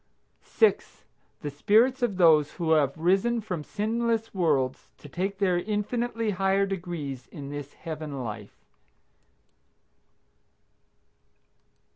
6. The spirits of those who have risen from sinless worlds to take their infinitely higher degrees in this Heaven life.